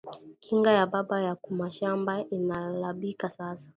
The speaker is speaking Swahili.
Kinga ya baba yaku mashamba inalabika sasa